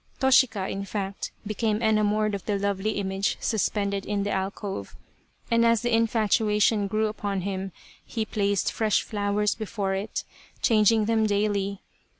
Toshika, in fact, became enamoured of the lovely 122 The Lady of the Picture image suspended in the alcove, and as the infatuation grew upon him he placed fresh flowers before it, chang ing them daily.